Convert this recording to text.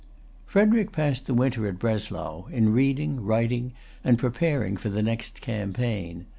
Frederic passed the winter at Breslau, in reading, writing, and preparing for the next campaign.